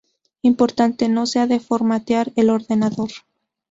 Importante: No se ha de formatear el ordenador.